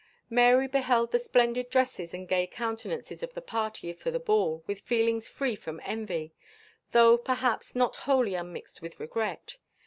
Mary beheld the splendid dresses and gay countenances of the party for the ball with feelings free from envy, though perhaps not wholly unmixed with regret.